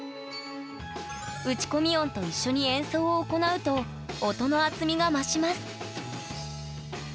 打ち込み音と一緒に演奏を行うと音の厚みが増します